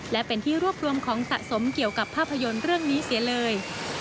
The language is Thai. และเป็นที่รวบรวมของสะสมเกี่ยวกับภาพยนตร์เรื่องนี้เสียเลย